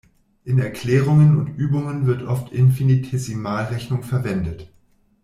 In Erklärungen und Übungen wird oft Infinitesimalrechnung verwendet.